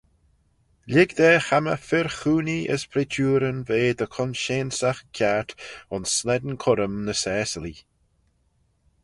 Lhig da chammah fir-choonee as preaçhooryn ve dy consheansagh kiart ayns slane currym ny Saasilee.